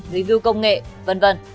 review công nghiệp